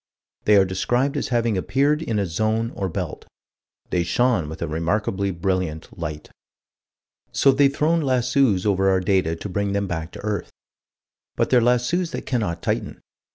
They are described as having appeared in a zone or belt. "They shone with a remarkably brilliant light." So they've thrown lassos over our data to bring them back to earth. But they're lassos that cannot tighten.